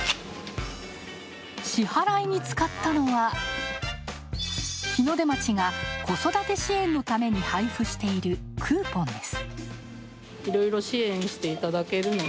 支払いに使ったのは、日の出町が子育て支援のために配布しているクーポンです。